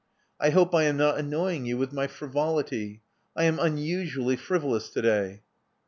I hope I am not anoying you with my frivolity. I am unusually frivolous to day."